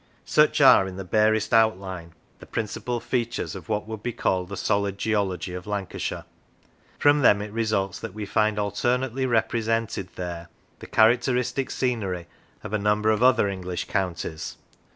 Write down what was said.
Such are, in the barest outline, the principal features Lancashire of what would be called the solid geology of Lancashire. From them it results that we find alternately repre sented there the characteristic scenery of a number of other English counties.